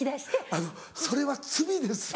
あのそれは罪ですよ。